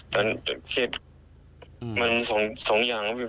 แต่เครียดมันสองอย่างครับพี่